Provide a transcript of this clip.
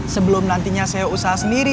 sebelum nantinya saya usaha sendiri